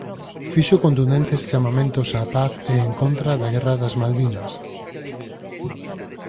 Fixo contundentes chamamentos á paz e en contra da guerra das Malvinas.